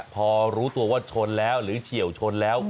พอรู้ตัวว่าชนแล้วหรือเฉียวชนแล้ว